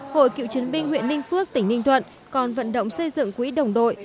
hội cựu chiến binh huyện ninh phước tỉnh ninh thuận còn vận động xây dựng quỹ đồng đội